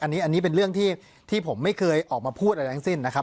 อันนี้เป็นเรื่องที่ผมไม่เคยออกมาพูดอะไรทั้งสิ้นนะครับ